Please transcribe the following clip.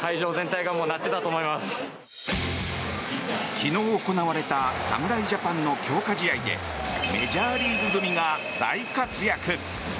昨日行われた侍ジャパンの強化試合でメジャーリーグ組が大活躍。